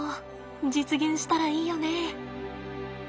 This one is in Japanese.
実現したらいいよね。